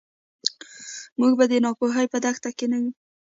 موږ به د ناپوهۍ په دښته کې نه یو.